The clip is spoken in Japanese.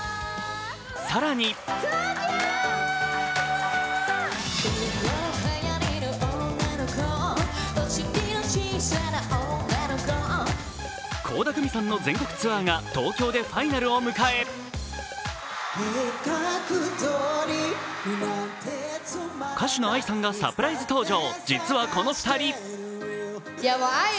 更に倖田來未さんの全国ツアーが東京でファイナルを迎え歌手のＡＩさんがサプライズ登場。